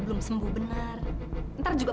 saya masih mampu dapat pentruktor jururawat hu di guam